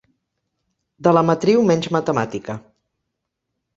De la matriu menys matemàtica.